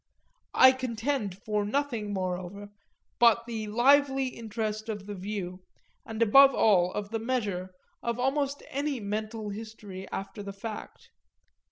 I contend for nothing moreover but the lively interest of the view, and above all of the measure, of almost any mental history after the fact.